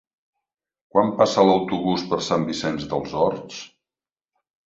Quan passa l'autobús per Sant Vicenç dels Horts?